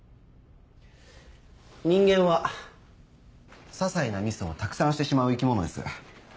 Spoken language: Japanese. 人間は些細なミスをたくさんしてしまう生き物です。